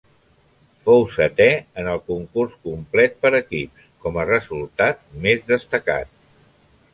Fou setè en el concurs complet per equips, com a resultat més destacat.